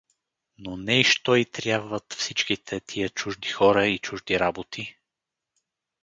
Но ней що й трябват всичките тия чужди хора и чужди работи?